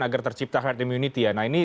agar tercipta herd immunity ya nah ini